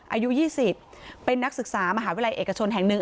อายุ๒๐เป็นนักศึกษามหาวิทยาลัยเอกชนแห่งหนึ่ง